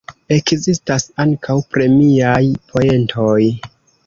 Ekzistas ankaŭ premiaj poentoj.